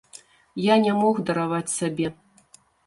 Я не мог дараваць сабе.